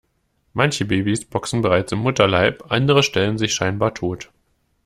Manche Babys boxen bereits im Mutterleib, andere stellen sich scheinbar tot.